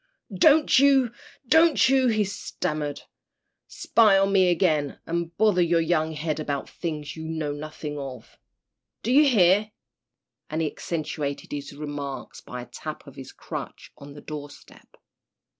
"Don't you don't you," he stammered, "spy on me again, and bother your young head about things you know nothing of. Do you hear?" and he accentuated his remarks by a tap of his crutch on the door step.